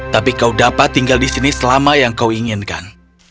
tapi kau dapat tinggal di sini selama yang kau inginkan